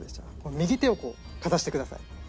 右手をこうかざしてください。